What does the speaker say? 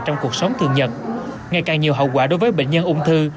trong cuộc sống thường nhật ngày càng nhiều hậu quả đối với bệnh nhân ung thư